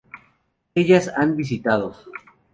Ellas han visitado